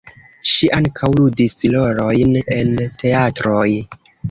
Ŝi ankaŭ ludis rolojn en teatroj.